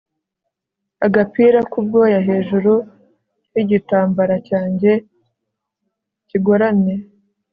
agapira k'ubwoya hejuru yigitambara cyanjye kigoramye